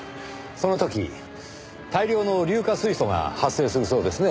その時大量の硫化水素が発生するそうですね。